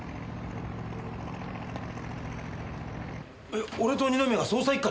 えっ俺と二宮が捜査一課に？